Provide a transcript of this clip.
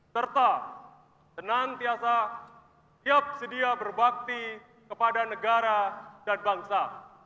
serta senantiasa siap sedia berbakti kepada negara dan bangsa